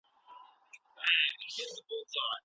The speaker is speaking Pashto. ولي د بریا د ترلاسه کولو هیله باید تر ویري لویه وي؟